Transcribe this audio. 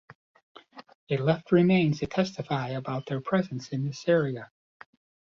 They left remains that testify about their presence in this area.